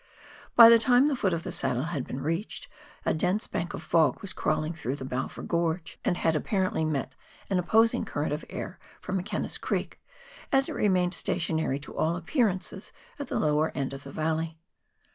By the time the foot of the saddle had been reached, a dense bank of fog was crawling through the Balfour gorge, and had apparently met an opposing current of air from McKenna's Creek, as it remained stationary to all appearances at the lower end of the valley.